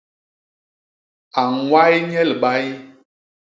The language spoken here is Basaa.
A ññway nye libay.